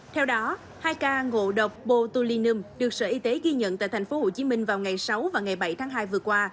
theo đó hai ca ngộ độc botulinum được sở y tế ghi nhận tại tp hcm vào ngày sáu và ngày bảy tháng hai vừa qua